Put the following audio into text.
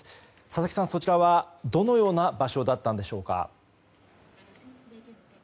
佐々木さん、そちらはどのような場所だったのでしょうか。